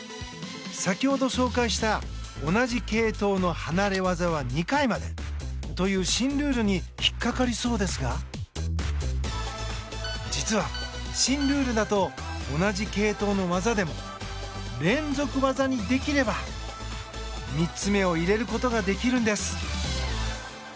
先ほど紹介した同じ系統の離れ技は２回までという新ルールに引っ掛かりそうですが実は、新ルールだと同じ系統の技でも連続技にできれば３つ目を入れることができるんです。